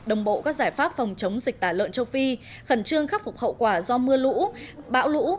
đồng bộ các giải pháp phòng chống dịch tả lợn châu phi khẩn trương khắc phục hậu quả do mưa lũ bão lũ